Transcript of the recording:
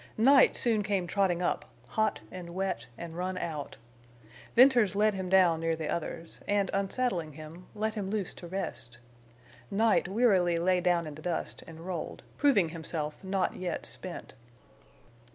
Night soon came trotting up, hot and wet and run out. Venters led him down near the others, and unsaddling him, let him loose to rest. Night wearily lay down in the dust and rolled, proving himself not yet spent.